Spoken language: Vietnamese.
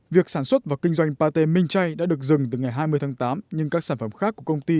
việc sản xuất và kinh doanh pate minh chay đã được dừng từ ngày hai mươi tháng tám nhưng các sản phẩm khác của công ty